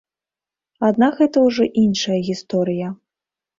Аднак гэта ўжо іншая гісторыя.